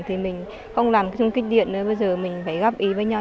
thì mình không làm cái chung kích điện nữa bây giờ mình phải góp ý với nhau